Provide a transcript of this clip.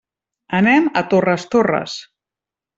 Anem a Torres Torres.